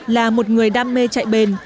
là một người đam mê chạy bền